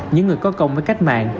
những người có công với cách mạng